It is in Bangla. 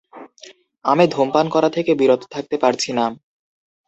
আমি ধূমপান করা থেকে বিরত থাকতে পারছি না!